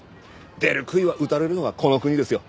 出る杭は打たれるのがこの国ですよ。